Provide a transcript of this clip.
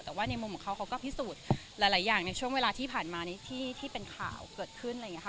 แต่ว่าในมุมของเขาก็พิสูจน์หลายอย่างในช่วงเวลาที่ผ่านมาที่เป็นข่าวเกิดขึ้น